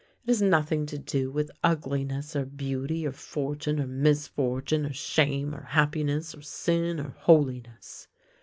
It has nothing to do with ugliness or beauty, or fortune or misfortune, or shame or happiness, or sin or holiness.